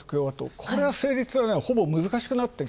これは、成立、ほぼ難しくなってる。